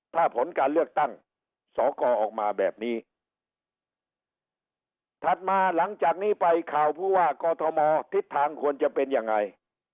ถ้าผลการเลือกตั้งสกออกมาแบบนี้ถัดมาหลังจากนี้ไปข่าวผู้ว่ากอทมทิศทางควรจะเป็นยังไง